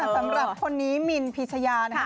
สำหรับคนนี้มินพีชยานะคะ